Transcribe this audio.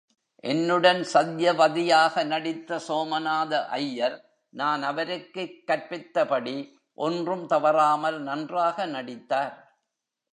என்னுடன் சத்யவதியாக நடித்த சோமநாத ஐயர், நான் அவருக்குக் கற்பித்தபடி ஒன்றும் தவறாமல் நன்றாக நடித்தார்.